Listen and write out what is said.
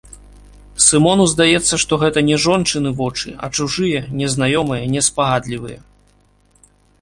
Сымону здаецца, што гэта не жончыны вочы, а чужыя, незнаёмыя, неспагадлівыя.